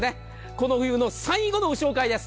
この冬の最後のご紹介です。